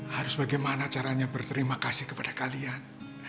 harus bagaimana caranya berterima kasih kepada kalian